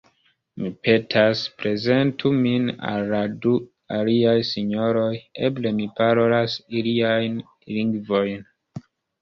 Mi petas: prezentu min al la du aliaj sinjoroj; eble mi parolas iliajn lingvojn.